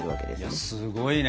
いやすごいね。